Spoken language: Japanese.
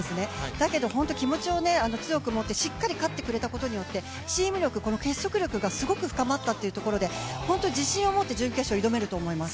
だけど、本当に気持ちを強く持ってしっかり勝ってくれたことによってチーム力、結束力が深まったというところで本当、自信を持って準決勝挑めると思います。